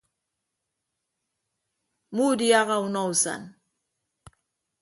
Mmuudiaha unọ usan.